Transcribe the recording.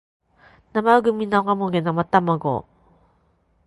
生麦生米生たまご